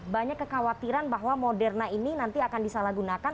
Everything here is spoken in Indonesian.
banyak kekhawatiran bahwa moderna ini nanti akan disalahgunakan